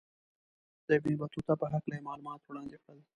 د ابن بطوطه په هکله یې معلومات وړاندې کړل.